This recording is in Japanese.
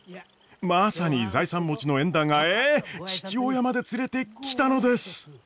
まさに財産持ちの縁談がええっ父親まで連れてきたのです！